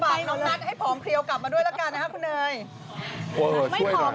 ปากน้องนัทให้ผอมเครียวกลับมาด้วยละกันนะครับคุณเนย